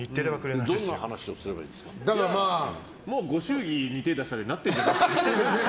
ご祝儀に手を出したでなってるんじゃないですかね。